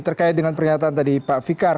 terkait dengan pernyataan tadi pak fikar